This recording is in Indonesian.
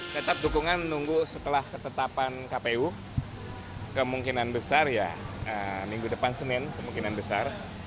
tetap dukungan menunggu setelah ketetapan kpu kemungkinan besar ya minggu depan senin kemungkinan besar